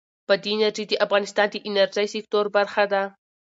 بادي انرژي د افغانستان د انرژۍ سکتور برخه ده.